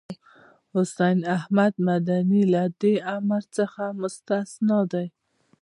حسين احمد مدني له دې امر څخه مستثنی دی.